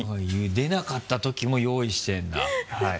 出なかったときも用意してるんだはい。